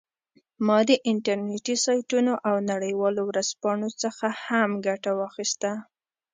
ما د انټرنیټي سایټونو او نړیوالو ورځپاڼو څخه هم ګټه واخیسته